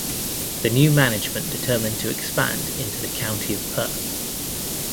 The new management determined to expand into the County of Perth.